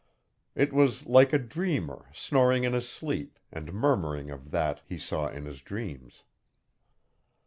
It was like a dreamer, snoring in his sleep, and murmuring of that he saw in his dreams.